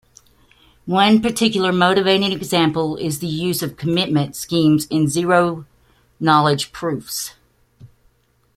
One particular motivating example is the use of commitment schemes in zero-knowledge proofs.